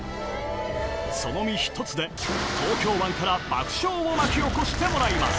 その身一つで、東京湾から爆笑を巻き起こしてもらいます。